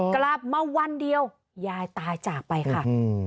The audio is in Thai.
กลับมาวันเดียวยายตายจากไปค่ะ